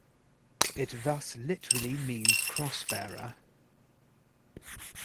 It thus literally means "cross-bearer".